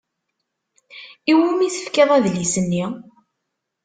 I wumi i tefkiḍ adlis-nni?